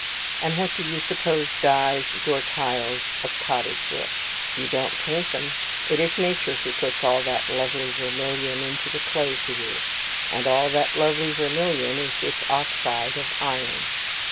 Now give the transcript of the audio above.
And what do you suppose dyes your tiles of cottage roof? You don't paint them. It is nature who puts all that lovely vermilion into the clay for you; and all that lovely vermilion is this oxide of iron.